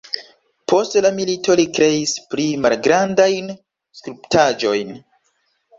Post la milito li kreis pli malgrandajn skulptaĵojn.